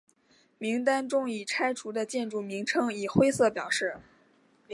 名单中已拆除的建筑名称以灰色表示。